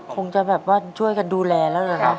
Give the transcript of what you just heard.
คงจะแบบว่าช่วยกันดูแลแล้วนะ